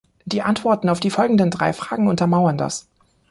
Die Antworten auf die folgenden drei Fragen untermauern das.